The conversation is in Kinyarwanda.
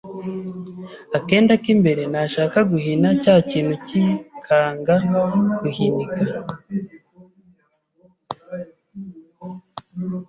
akenda k’imbere nashaka guhina cya kintu kikanga guhinika